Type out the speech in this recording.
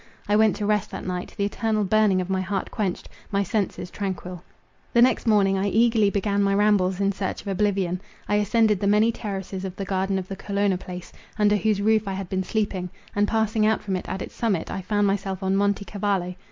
I went to rest that night; the eternal burning of my heart quenched,—my senses tranquil. The next morning I eagerly began my rambles in search of oblivion. I ascended the many terraces of the garden of the Colonna Palace, under whose roof I had been sleeping; and passing out from it at its summit, I found myself on Monte Cavallo.